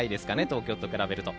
東京と比べると。